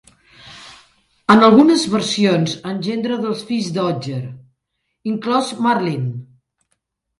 En algunes versions, engendra dos fills d'Otger, inclòs Marlyn.